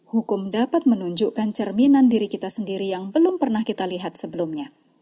hukum dapat menunjukkan cerminan diri kita sendiri yang belum pernah kita lihat sebelumnya